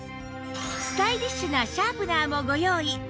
スタイリッシュなシャープナーもご用意